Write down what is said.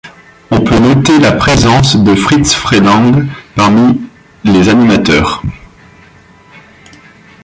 On peut noter la présence de Friz Freleng parmi les animateurs.